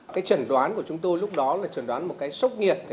cái chẩn đoán của chúng tôi lúc đó là chẩn đoán một cái sốc nhiệt